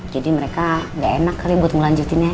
jadi mereka gak enak kali buat ngelanjutinnya